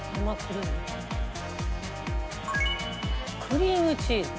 クリームチーズ。